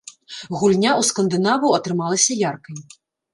Гульня ў скандынаваў атрымалася яркай.